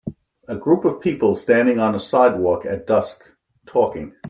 A group of people standing on a sidewalk at dusk talking.